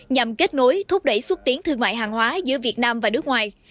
nhằm kết nối thúc đẩy xuất tiến thương mại hàng hóa giữa việt nam và nước ngoài